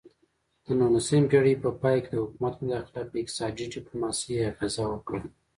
د نولسمې پیړۍ په پای کې د حکومت مداخله په اقتصادي ډیپلوماسي اغیزه وکړه